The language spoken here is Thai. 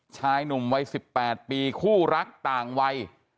ชายหนุ่มวัย๑๘ปีคู่รักต่างวัย